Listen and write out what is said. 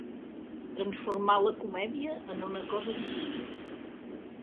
Transformar la comèdia en una cosa divina.